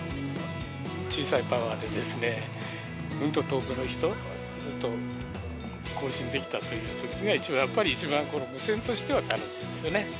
小さいパワーでですね、うんと遠くの人と交信できたというときが一番無線としては楽しいですよね。